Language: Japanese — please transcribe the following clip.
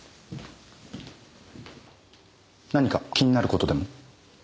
何か気になる事でも？